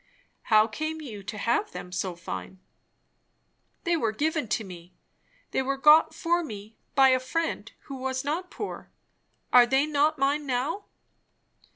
"How came you to have them so fine?" "They were given to me. They were got for me; by a friend who was not poor. Are they not mine now?"